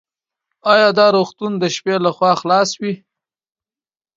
ایا دا روغتون د شپې لخوا خلاص وي؟